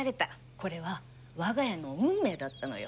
これは我が家の運命だったのよ。